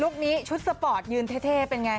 นี้ชุดสปอร์ตยืนเท่เป็นไง